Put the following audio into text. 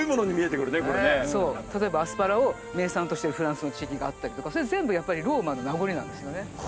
例えばアスパラを名産としてるフランスの地域があったりとかそういうの全部やっぱりローマの名残なんですよね。